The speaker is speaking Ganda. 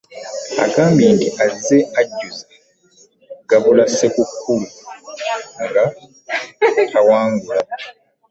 Agambye nti azze ajjuza "Gabula Ssekukkulu" nga tawangula.